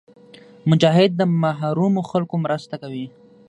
مجاهد د محرومو خلکو مرسته کوي.